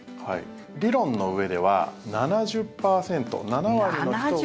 理論のうえでは７０％、７割の人が。